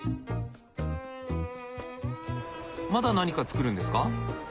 まだ何か作るんですか？